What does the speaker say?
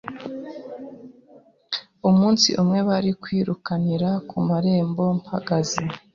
Umunsi umwe bari kwirukanira ku marembo mpageze